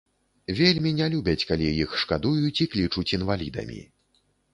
Вельмі не любяць, калі іх шкадуюць і клічуць інвалідамі.